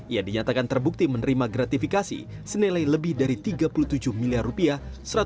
ia dinyatakan terbukti menerima gratifikasi senilai lebih dari tiga puluh tujuh miliar rupiah